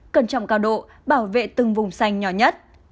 cẩn trọng cao độ bảo vệ từng vùng xanh nhỏ nhất